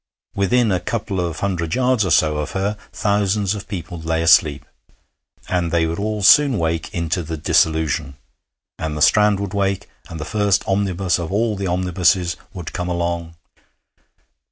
Within a couple of hundred yards or so of her thousands of people lay asleep, and they would all soon wake into the disillusion, and the Strand would wake, and the first omnibus of all the omnibuses would come along....